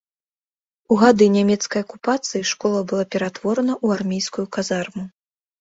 У гады нямецкай акупацыі школа была ператворана ў армейскую казарму.